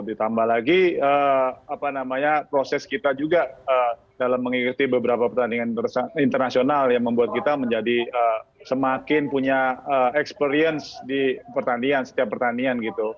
ditambah lagi proses kita juga dalam mengikuti beberapa pertandingan internasional yang membuat kita menjadi semakin punya experience di pertandingan setiap pertandingan gitu